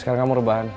sekarang kamu rebahan